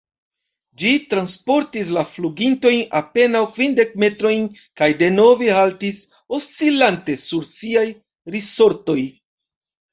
Ĝi transportis la flugintojn apenaŭ kvindek metrojn kaj denove haltis, oscilante sur siaj risortoj.